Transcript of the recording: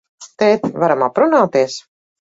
Tēt, varam aprunāties?